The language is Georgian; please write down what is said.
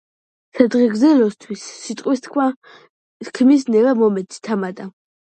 სადღეგრძელოსთვის სიტყვის თქმის ნება მომეცი, თამადა